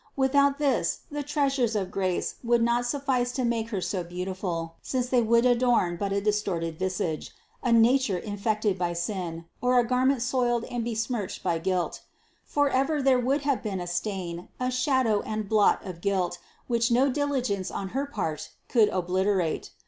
Without this the treasures of grace would not suffice to make Her so beautiful, since they would adorn but a distorted visage, a nature infected with sin, or a garment soiled and be smirched by guilt. Forever there would have been a stain, a shadow and blot of guilt, which no diligence on her part could obliterate.